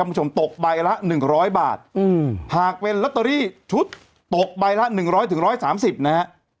คุณผู้ชมตกใบละ๑๐๐บาทหากเป็นลอตเตอรี่ชุดตกใบละ๑๐๐๑๓๐นะฮะ